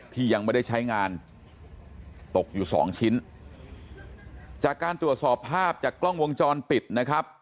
ที่ยังไม่ได้ใช้งานตกอยู่สองชิ้นจากการตรวจสอบภาพจากกล้องวงจรปิดนะครับ